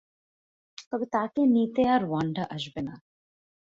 তবে তাকে নিতে আর ওয়ান্ডা আসবে না।